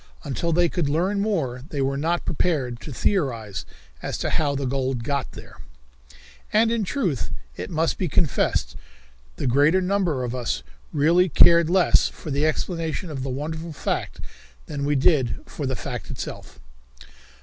Until they could learn more they were not prepared to theorize as to how the gold got there. And in truth, it must be confessed, the greater number of us really cared less for the explanation of the wonderful fact than we did for the fact itself.